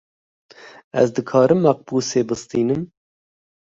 Ez dikarim makbûzê bistînim?